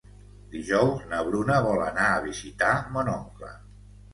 Dijous na Bruna vol anar a visitar mon oncle.